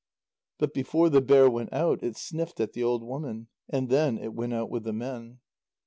But before the bear went out, it sniffed at the old woman. And then it went out with the men.